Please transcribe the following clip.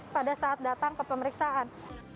pada saat datang ke pemeriksaan